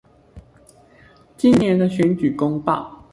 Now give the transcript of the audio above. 今年的選舉公報